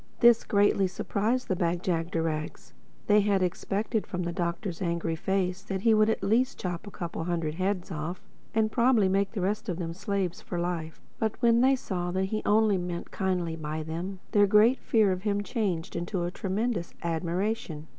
This greatly surprised the Bag jagderags. They had expected from the Doctor's angry face that he would at least chop a couple of hundred heads off—and probably make the rest of them slaves for life. But when they saw that he only meant kindly by them, their great fear of him changed to a tremendous admiration.